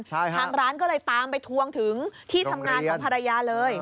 ทางร้านก็เลยตามไปทวงถึงที่ทำงานของภรรยาเลย